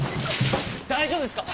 大丈夫ですか！？